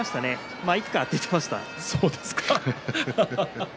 まあいっか、と言っていました。